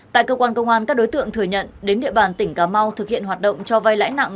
tại cơ quan công an các đối tượng thừa nhận đến địa bàn tỉnh cà mau thực hiện hoạt động cho vai lãi nặng